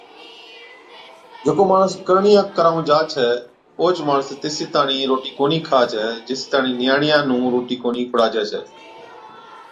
جڪو ماڻس ڪرڻِيان ڪرائُون جا ڇَي اُونھچ ماڻس تيسِي تاڻِين روٽِي ڪونھِي کا ڇي جيسِي تاڻِين نِياڻِيا نُون روٽِي ڪونھِي کُڙاجَي ڇَي